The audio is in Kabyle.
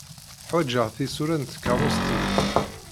Ḥwajeɣ tisura n tkeṛṛust-nnem.